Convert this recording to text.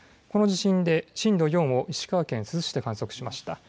この地震で震度４を石川県珠洲市で観測しました。